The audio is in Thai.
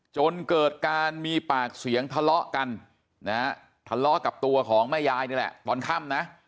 จนเกิดการมีปากเสียงทะเลาะกันนะฮะทะเลาะกับตัวของแม่ยายนี่แหละตอนค่ำนะ